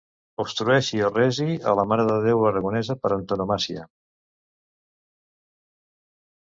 Obstrueixi o resi a la marededéu aragonesa per antonomàsia.